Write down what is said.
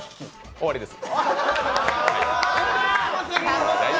終わりです！